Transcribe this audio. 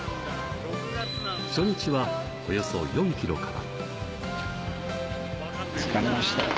初日は、およそ４キロから。